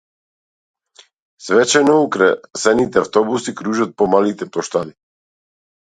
Свечено украсените автобуси кружат по малите плоштади.